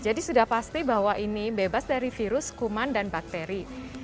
jadi sudah pasti bahwa ini bebas dari virus kuman dan bakteri